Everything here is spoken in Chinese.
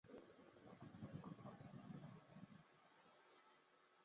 拉波滕施泰因是奥地利下奥地利州茨韦特尔县的一个市镇。